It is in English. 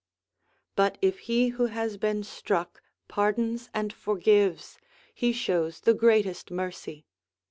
But if he who has been struck pardons and for gives, he shows the greatest mercy.